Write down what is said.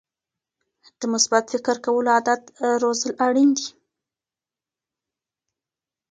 د مثبت فکر کولو عادت روزل اړین دي.